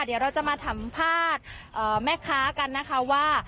เดี๋ยวเราจะมาสัมภาษณ์แม่ค้ากันนะคะว่า